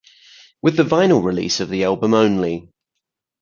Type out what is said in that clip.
With the vinyl release of the album only.